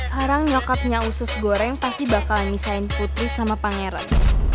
sekarang nyokapnya usus goreng pasti bakalan desain putri sama pangeran